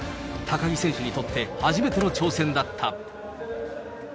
高木選手にとって初めての挑戦だった。